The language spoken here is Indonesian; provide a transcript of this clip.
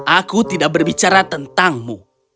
aku tidak berbicara tentangmu